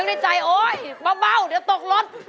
นึกในใจโอ้ยบ้าวเดี๋ยวตกรถ